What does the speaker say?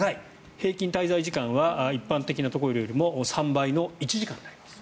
平均滞在時間は一般的なところよりも３倍の１時間になります。